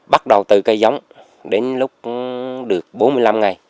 bắt đầu từ cây giống đến lúc được bốn mươi năm ngày